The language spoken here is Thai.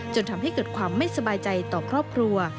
จนทำให้เกิดความไม่สบายใจต่อครอบครัว